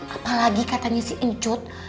apalagi katanya si uncut